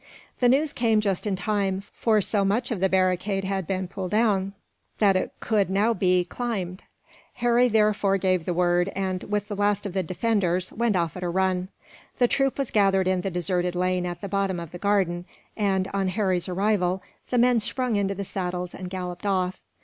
The news came just in time, for so much of the barricade had been pulled down that it could now be climbed. Harry therefore gave the word and, with the last of the defenders, went off at a run. The troop was gathered in the deserted lane at the bottom of the garden and, on Harry's arrival, the men sprung into the saddles and galloped off.